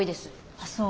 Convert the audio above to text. あっそう。